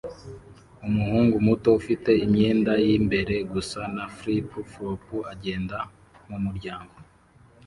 Umuhungu muto ufite imyenda y'imbere gusa na flip-flops agenda mumuryango